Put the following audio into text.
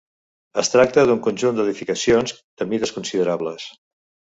Es tracta d'un conjunt d'edificacions de mides considerables.